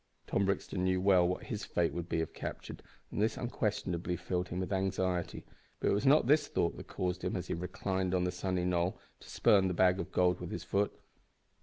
Tom Brixton knew well what his fate would be if captured, and this unquestionably filled him with anxiety, but it was not this thought that caused him, as he reclined on the sunny knoll, to spurn the bag of gold with his foot.